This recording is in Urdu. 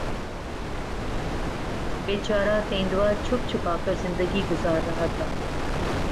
بیچارہ تیندوا چھپ چھپا کر زندگی گزار رہا تھا